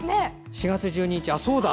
４月１２日、あ、そうだ。